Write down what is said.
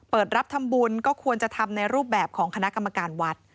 เปิดรับทำบุญก็ควรจะทำในรูปแบบของคณะกรรมการวัด